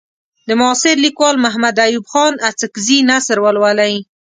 د معاصر لیکوال محمد ایوب خان اڅکزي نثر ولولئ.